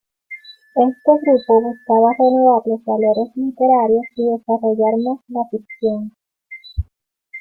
Este grupo buscaba renovar los valores literarios y desarrollar más la ficción.